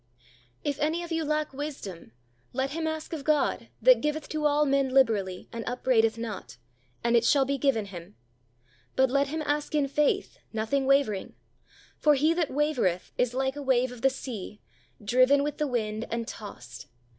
If any of you lack wisdom, let him ask of God, that giveth to all men liberally, and upbraideth not; and it shall be given him. But let him ask in faith, nothing wavering. For he that wavereth is like a wave of the sea, driven with the wind and tossed.